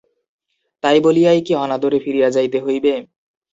তাই বলিয়াই কি অনাদরে ফিরিয়া যাইতে হইবে?